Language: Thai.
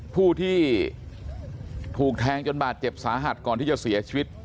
ผู้ที่ถูกแทงจนบาดเจ็บสาหัสก่อนที่จะเสียชีวิต